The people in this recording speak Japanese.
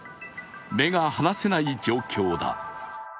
目が離せない状況だ。